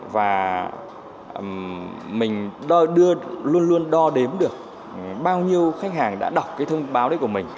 và mình luôn luôn đo đếm được bao nhiêu khách hàng đã đọc cái thông báo đấy của mình